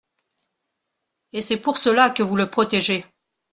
Et c’est pour cela que vous le protégez.